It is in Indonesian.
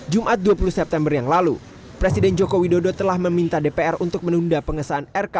jumat dua puluh september yang lalu presiden joko widodo telah meminta dpr untuk menunda pengesahan rk